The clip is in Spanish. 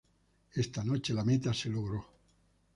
Esta noche, la meta se logró""